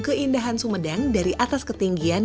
keindahan sumedang dari atas ketinggian